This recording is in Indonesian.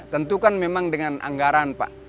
tentu kan memang dengan anggaran pak